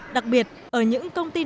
đặc biệt ở những công ty này